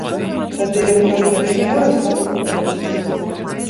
Тады ён трохі ачуняў і слаба паплёўся сам.